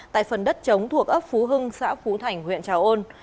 tại phần đất chống thuộc ấp phú hưng xã phú thành huyện trà ôn